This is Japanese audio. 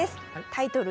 タイトル